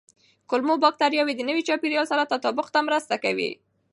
کولمو بکتریاوې د نوي چاپېریال سره تطابق ته مرسته کوي.